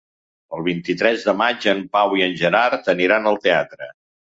El vint-i-tres de maig en Pau i en Gerard aniran al teatre.